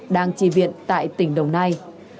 đang trì viện tại tỉnh đồng nai